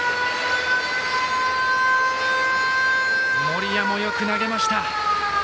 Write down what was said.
森谷もよく投げました。